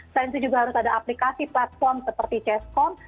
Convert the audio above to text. selain itu juga harus ada aplikasi platform seperti chescom